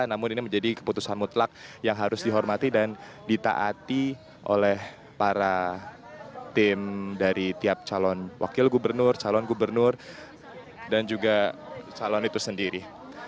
namun ini menjadi keputusan mutlak yang harus dihormati dan ditaati oleh para tim dari tiap calon wakil gubernur calon gubernur dan juga calon itu sendiri